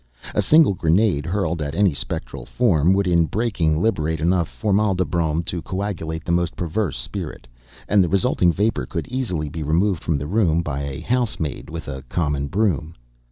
A single grenade, hurled at any spectral form, would, in breaking, liberate enough formaldybrom to coagulate the most perverse spirit, and the resulting vapor could easily be removed from the room by a housemaid with a common broom.